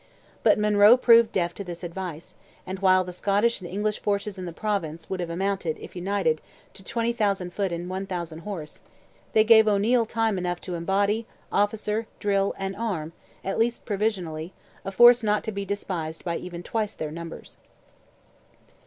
But Monroe proved deaf to this advice, and while the Scottish and English forces in the Province would have amounted, if united, to 20,000 foot and 1,000 horse, they gave O'Neil time enough to embody, officer, drill, and arm (at least provisionally), a force not to be despised by even twice their numbers.